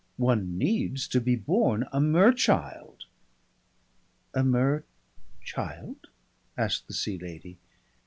One needs to be born a mer child." "A mer child?" asked the Sea Lady.